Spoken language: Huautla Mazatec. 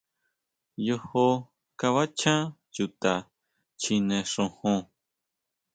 Yojo kabachan chuta chjine xojon.